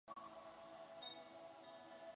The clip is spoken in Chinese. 它们可能是在近河流的地方猎食。